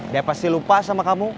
dia pasti lupa sama kamu